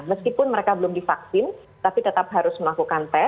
meskipun mereka belum divaksin tapi tetap harus melakukan tes